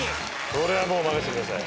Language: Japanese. これはもう任せてください